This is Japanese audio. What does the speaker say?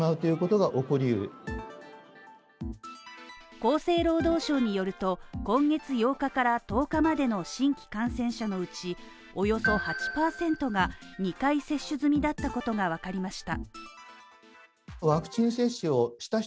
厚生労働省によると、今月８日から１０日までの新規感染者のうち、およそ８％が２回接種済みだったことがわかりました。